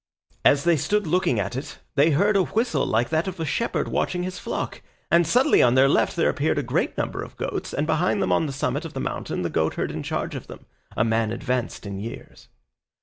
As they stood looking at it they heard a whistle like that of a shepherd watching his flock, and suddenly on their left there appeared a great number of goats and behind them on the summit of the mountain the goatherd in charge of them, a man advanced in years.